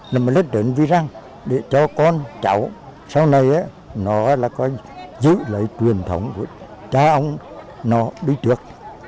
là mà lấy đến vi răng để cho con cháu sau này nó là coi giữ lại truyền thống của cha ông nó đi trước